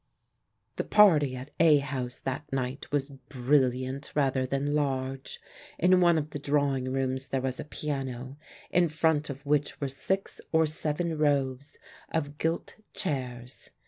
The party at A House that night was brilliant rather than large. In one of the drawing rooms there was a piano, in front of which were six or seven rows of gilt chairs.